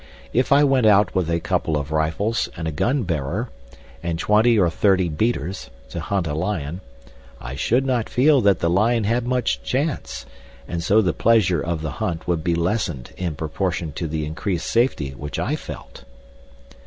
If I went out with a couple of rifles and a gun bearer, and twenty or thirty beaters, to hunt a lion, I should not feel that the lion had much chance, and so the pleasure of the hunt would be lessened in proportion to the increased safety which I felt."